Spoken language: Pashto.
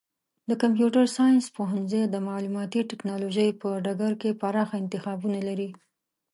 د کمپیوټر ساینس پوهنځی د معلوماتي ټکنالوژۍ په ډګر کې پراخه انتخابونه لري.